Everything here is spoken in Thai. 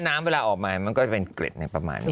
น้ำเวลาออกมามันก็จะเป็นเกร็ดในประมาณนี้